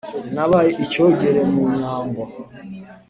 Nabaye icyogere mu nyambo,